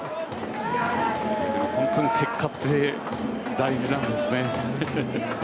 本当にに結果って大事なんですね。